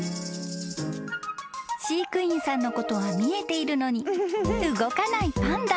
［飼育員さんのことは見えているのに動かないパンダ］